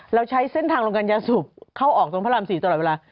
เราใช้เส้นทางโรงการยาสูบเข้าออกตรงพระราม๔ตลอดเวลา